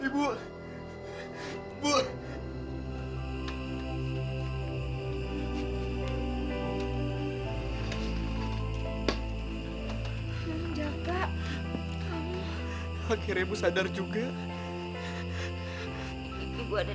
ibu ada dimana jaka